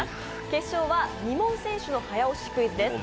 決勝は２問先取の早押しクイズです